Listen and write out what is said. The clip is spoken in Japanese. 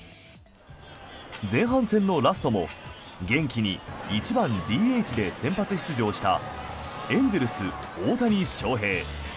前半戦のラストも元気に１番ＤＨで先発出場したエンゼルス、大谷翔平。